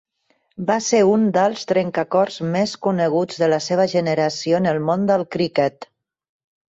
Va ser un dels trencacors més coneguts de la seva generació en el món del criquet.